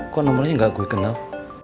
kok nomornya gak gue kenal